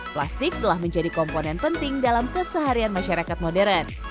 plastik telah menjadi komponen penting dalam keseharian masyarakat modern